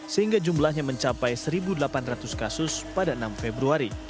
sehingga jumlahnya mencapai satu delapan ratus kasus pada enam februari